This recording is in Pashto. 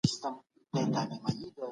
څه شی سوداګري له لوی ګواښ سره مخ کوي؟